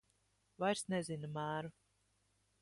Vairs nezina mēru.